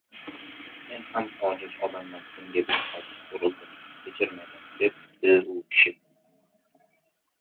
— Men ham ojiz odamman, senga behos urildim, kechir meni, — debdi u kishi.